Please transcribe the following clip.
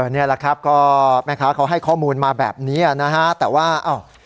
นี่แม่ค้าเขาให้ข้อมูลมาแบบเนี้ยนะคะแต่ว่าอ้าว